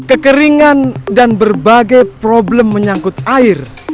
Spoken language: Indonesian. kekeringan dan berbagai problem menyangkut air